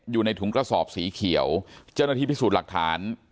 อยู่ในถุงกระสอบสีเขียวเจ้าหน้าที่พิสูจน์หลักฐาน